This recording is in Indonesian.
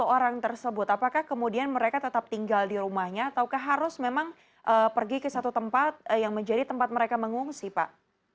sepuluh orang tersebut apakah kemudian mereka tetap tinggal di rumahnya atau harus memang pergi ke satu tempat yang menjadi tempat mereka mengungsi pak